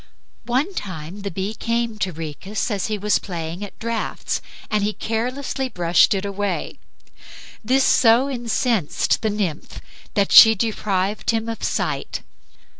One time the bee came to Rhoecus when he was playing at draughts and he carelessly brushed it away. This so incensed the nymph that she deprived him of sight.